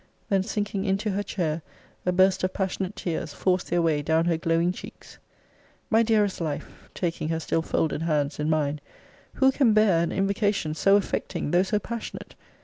Then, sinking into her chair, a burst of passionate tears forced their way down her glowing cheeks. My dearest life, [taking her still folded hands in mine,] who can bear an invocation so affecting, though so passionate?